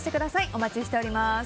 お待ちしております。